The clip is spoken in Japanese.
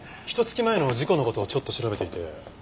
ひと月前の事故の事をちょっと調べていて。